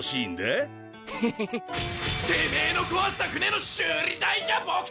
てめぇの壊した船の修理代じゃボケ！